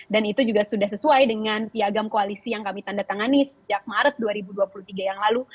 dan itu juga sudah sesuai dengan piagam koalisi yang kami tandatangani sejak maret dua ribu dua puluh tiga yang lalu